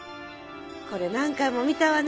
これ何回も観たわね